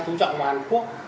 chú trọng hàn quốc